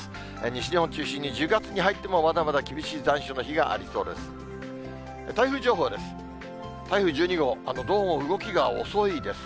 西日本中心に、１０月に入っても、まだまだ厳しい残暑の日がありそうです。